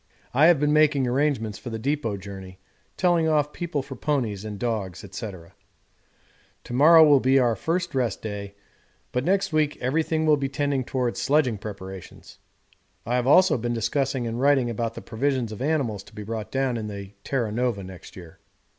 I have been making arrangements for the depôt journey, telling off people for ponies and dogs, &c._9_ To morrow is to be our first rest day, but next week everything will be tending towards sledging preparations. I have also been discussing and writing about the provisions of animals to be brought down in the Terra Nova next year.